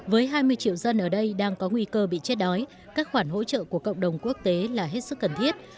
với hai mươi triệu dân ở đây đang có nguy cơ bị chết đói các khoản hỗ trợ của cộng đồng quốc tế là hết sức cần thiết